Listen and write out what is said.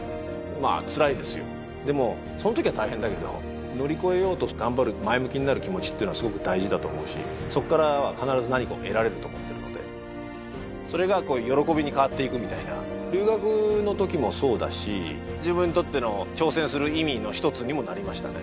まあつらいですよでもそのときは大変だけど乗り越えようと頑張る前向きになる気持ちっていうのはすごく大事だと思うしそっからは必ず何かを得られると思っているのでそれが喜びに変わっていくみたいな留学のときもそうだし自分にとっての挑戦する意味の一つにもなりましたね